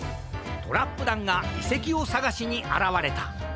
トラップだんがいせきをさがしにあらわれた。